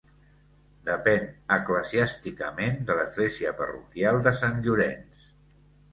Depèn eclesiàsticament de l'església parroquial de Sant Llorenç.